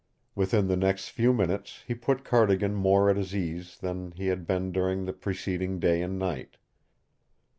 Within the next few minutes he put Cardigan more at his ease than he had been during the preceding day and night.